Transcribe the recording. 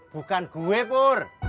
bukan gue pur